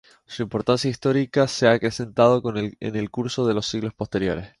Su importancia histórica se ha acrecentado en el curso de los siglos posteriores.